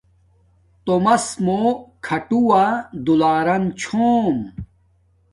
تومس موں کھاٹووہ دولارم چھوم